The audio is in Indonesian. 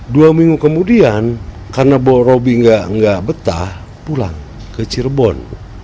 dua minggu kemudian karena borobi nggak betah pulang ke cirebon